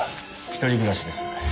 一人暮らしです。